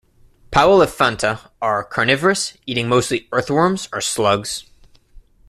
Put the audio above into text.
"Powelliphanta" are carnivorous, eating mostly earthworms or slugs.